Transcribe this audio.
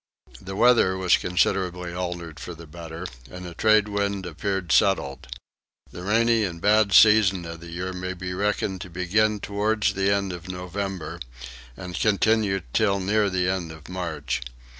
The weather was considerably altered for the better and the tradewind appeared settled. The rainy and bad season of the year may be reckoned to begin towards the end of November and to continue till near the end of March.